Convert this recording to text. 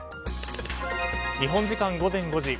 日本時間午前５時。